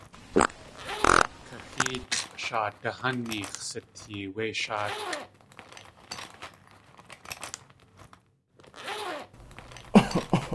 Kaxéelʼ sháade hánix̲ sitee wé shaatkʼ.